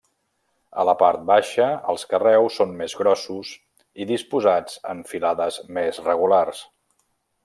A la part baixa els carreus són més grossos i disposats en filades més regulars.